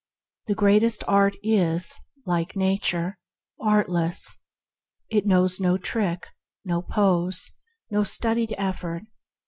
The greatest art is, like nature, artless. It knows no trick, no pose, no studied effort.